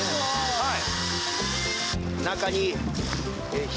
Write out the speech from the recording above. はい。